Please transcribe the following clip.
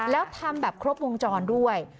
แล้วทำแบบครบวงจรด้วย